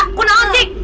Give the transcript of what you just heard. itu itu sih